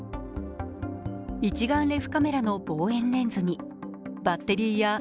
一眼レフカメラの望遠レンズにバッテリーやＳＤ